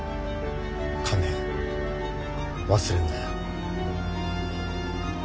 金忘れるなよ。